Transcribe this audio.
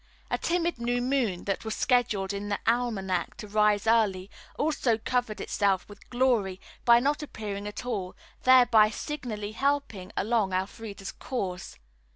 A timid new moon, that was scheduled in the almanac to rise early, also covered itself with glory by not appearing at all, thereby signally helping along Elfreda's cause.